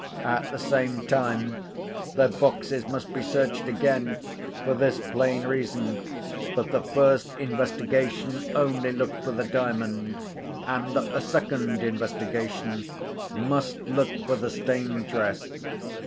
At the same time, their boxes must be searched again—for this plain reason, that the first investigation only looked for the Diamond, and that the second investigation must look for the stained dress.